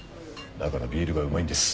だからビールがうまいんです。